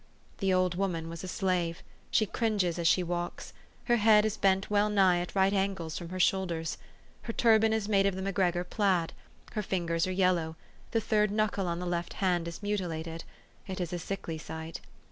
" The old woman was a slave. She cringes as she walks. Her head is bent well nigh at right angles from her shoulders. Her turban is made of the MacGregor plaid. Her fingers are yellow ; the third knuckle on the left hand is mutilated. It is a sickly sight.